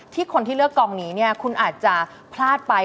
ที่คนที่เลือกกองนี้คุณอาจจะพลาดไป